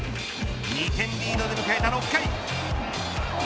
２点リードで迎えた６回。